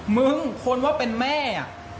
มึงคนว่าเป็นแม่